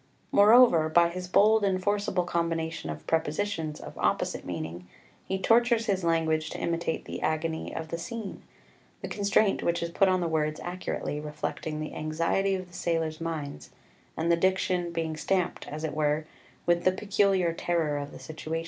Moreover, by his bold and forcible combination of prepositions of opposite meaning he tortures his language to imitate the agony of the scene, the constraint which is put on the words accurately reflecting the anxiety of the sailors' minds, and the diction being stamped, as it were, with the peculiar terror of the situation.